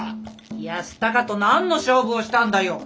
康隆と何の勝負をしたんだよ！？